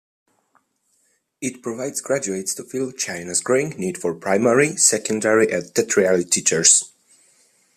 It provides graduates to fill China's growing need for primary, secondary and tertiary teachers.